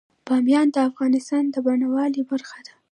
بامیان د افغانستان د بڼوالۍ برخه ده.